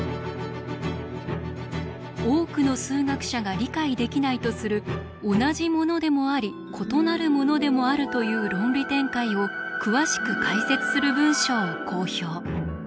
多くの数学者が理解できないとする同じものでもあり異なるものでもあるという論理展開を詳しく解説する文章を公表。